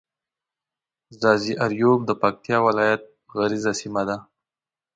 ځاځي اريوب د پکتيا ولايت غرييزه سيمه ده.